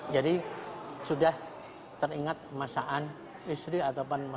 jadi sudah teringat masakan istri ataupun makasaan